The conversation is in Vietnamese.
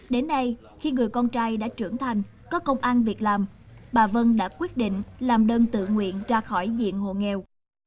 đến nay khi người con trai đã trưởng thành có công an việc làm bà vân đã quyết định làm đơn tự nguyện ra khỏi diện hộ nghèo